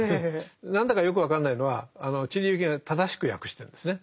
何だかよく分かんないのは知里幸恵が正しく訳してるんですね。